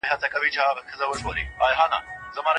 شريعت فقط د نکاح په غرض د نجلۍ د ليدلو اجازه کړې ده